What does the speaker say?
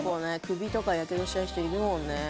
首とかやけどしちゃう人いるもんね。